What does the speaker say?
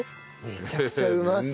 めちゃくちゃうまそう。